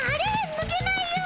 ぬけないよ。